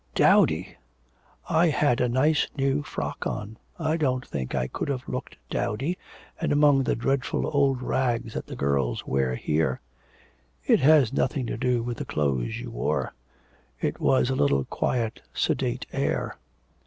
'Dowdy! I had a nice new frock on. I don't think I could have looked dowdy, and among the dreadful old rags that the girls wear here.' 'It had nothing to do with the clothes you wore. It was a little quiet, sedate air.'